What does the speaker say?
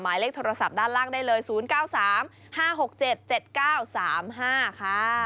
หมายเลขโทรศัพท์ด้านล่างได้เลยศูนย์เก้าสามห้าหกเจ็ดเจ็ดเก้าสามห้าค่ะ